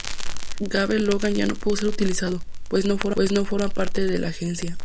Gabe Logan ya no puede ser utilizado, pues no forma parte de "La Agencia".